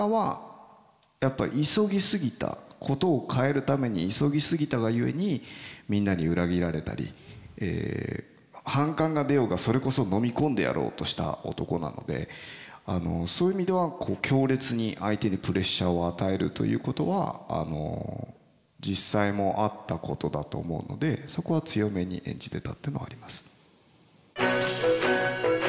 事を変えるために急ぎすぎたがゆえにみんなに裏切られたり反感が出ようがそれこそのみ込んでやろうとした男なのでそういう意味では強烈に相手にプレッシャーを与えるということは実際もあったことだと思うのでそこは強めに演じてたっていうのはあります。